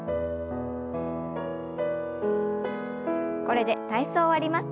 これで体操を終わります。